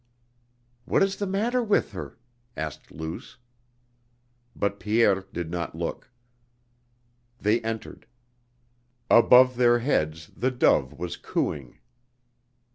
"What is the matter with her?" asked Luce. But Pierre did not look. They entered. Above their heads the dove was cooing.